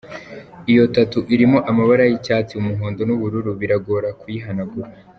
Iyo tattoo irimo amabara y’icyatsi, umuhondo n’ubururu, biragora kuyihanagura.